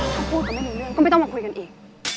ถ้าพูดกันไม่รู้เรื่องก็ไม่ต้องมาคุยกันอีก